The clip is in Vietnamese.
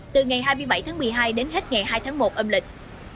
từ ngày hai mươi bảy tháng một mươi hai đến hết ngày hai tháng một âm lịch